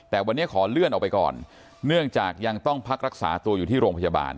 แต่วันนี้ขอเลื่อนออกไปก่อนเนื่องจากยังต้องพักรักษาตัวอยู่ที่โรงพยาบาล